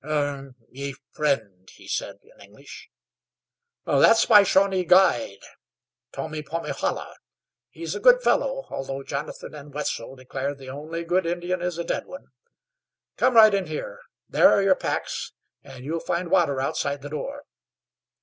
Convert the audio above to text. "Ugh! Me friend," he said in English. "That's my Shawnee guide, Tomepomehala. He's a good fellow, although Jonathan and Wetzel declare the only good Indian is a dead one. Come right in here. There are your packs, and you'll find water outside the door."